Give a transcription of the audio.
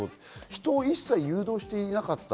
人を一切誘導していなかった。